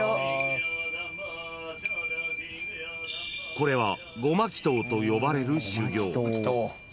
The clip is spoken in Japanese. ［これは護摩祈祷と呼ばれる修行］